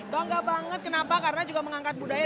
bangga banget kenapa karena juga mengangkat budaya